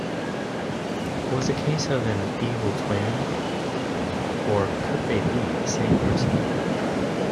Was a case of an 'evil twin' or could they be the same person?